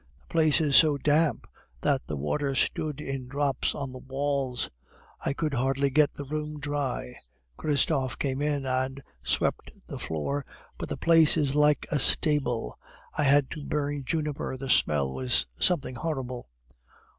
The place is so damp that the water stood in drops on the walls; I could hardly get the room dry. Christophe came in and swept the floor, but the place is like a stable; I had to burn juniper, the smell was something horrible.